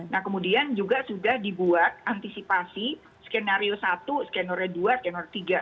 nah kemudian juga sudah dibuat antisipasi skenario satu skenario dua skenor tiga